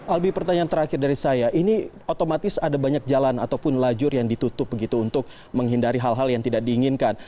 albi pertanyaan terakhir dari saya ini otomatis ada banyak jalan ataupun lajur yang ditutup begitu untuk menghindari hal hal yang tidak diinginkan